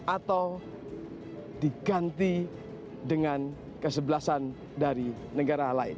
atau diganti dengan kesebelasan dari negara lain